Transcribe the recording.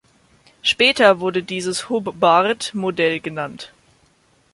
Später wurde dieses Hubbard-Modell genannt.